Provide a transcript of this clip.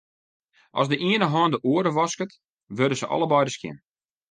As de iene hân de oar wasket, wurde se allebeide skjin.